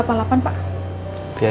bapak elinopra setia